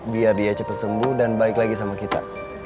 biar dia cepet sembuh dan balik lagi sama kita